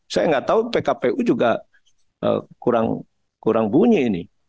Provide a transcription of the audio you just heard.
saya nggak tahu pkpu juga kurang bunyi ini